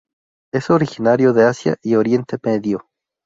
Es originario de Asia y Oriente Medio.